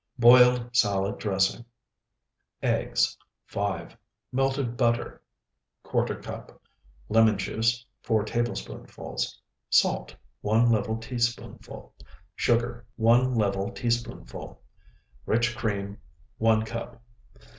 BOILED SALAD DRESSING Eggs, 5. Melted butter, ¼ cup. Lemon juice, 4 tablespoonfuls. Salt, 1 level teaspoonful. Sugar, 1 level teaspoonful. Rich cream, 1 cup.